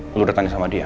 lo udah tanya sama dia